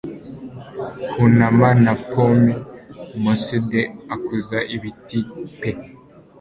Kwunama na pome moss'd akazu-ibiti pe